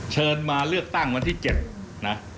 เชิญมาเลือกตั้งวันที่๗นะ